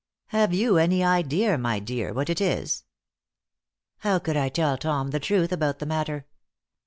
Have you any idea, my dear, what it is?" How could I tell Tom the truth about the matter?